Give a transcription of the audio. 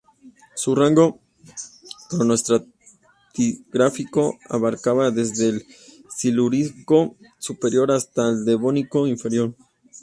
Su rango cronoestratigráfico abarcaba desde el Silúrico superior hasta el Devónico inferior.